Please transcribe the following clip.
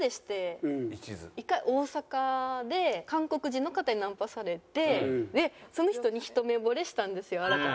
１回大阪で韓国人の方にナンパされてその人にひと目ぼれしたんですよ荒川。